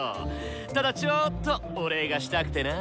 ただちょっとお礼がしたくてな。